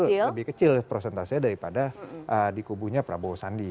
nah itu lebih kecil prosentase daripada di kubunya prabowo sandi